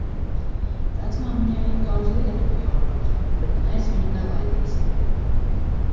Vecmāmiņai it kā uz Lietuvu jābrauc, bet mēs viņu nelaidīsim.